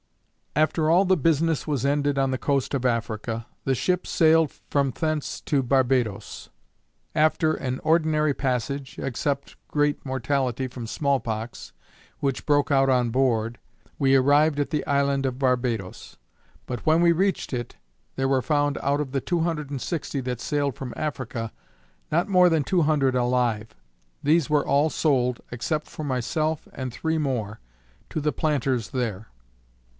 _ After all the business was ended on the coast of Africa, the ship sailed from thence to Barbadoes. After an ordinary passage, except great mortality from small pox, which broke out on board, we arrived at the island of Barbadoes: but when we reached it, there were found out of the two hundred and sixty that sailed from Africa, not more than two hundred alive. These were all sold, except for myself and three more, to the planters there.